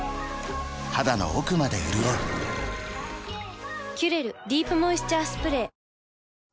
肌の奥まで潤う「キュレルディープモイスチャースプレー」